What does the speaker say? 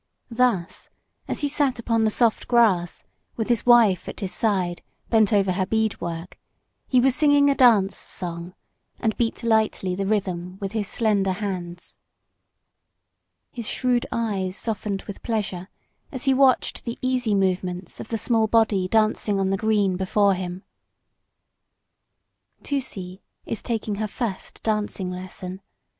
Thus as he sat upon the soft grass, with his wife at his side, bent over her bead work, he was singing a dance song, and beat lightly the rhythm with his slender hands. His shrewd eyes softened with pleasure as he watched the easy movements of the small body dancing on the green before him. Tusee is taking her first dancing lesson.